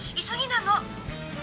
急ぎなの。